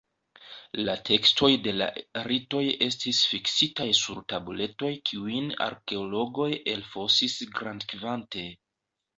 La tekstoj de la ritoj estis fiksitaj sur tabuletoj kiujn arkeologoj elfosis grandkvante.